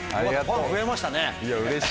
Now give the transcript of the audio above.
ファン増えましたね。